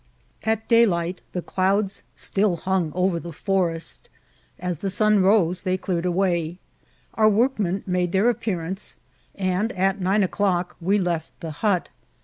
At daylight the clouds still hung over the foiest ; as the son rose they cleared away; our workmoi made their aqppearance, and at nine o'clock we left the hut.